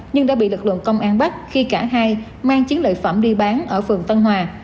nhưng đã bị lực lượng công an bắt khi cả hai mang chiến lợi phẩm đi bán ở phường tân hòa